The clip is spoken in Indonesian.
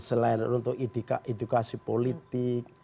selain untuk edukasi politik